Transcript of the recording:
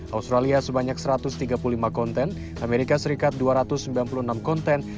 australia sebanyak satu ratus tiga puluh lima konten amerika serikat dua ratus sembilan puluh enam konten